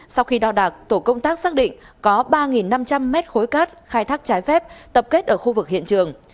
sau khi đo đạc tổ công tác xác định có ba năm trăm linh mét khối cát khai thác trái phép tập kết ở khu vực hiện trường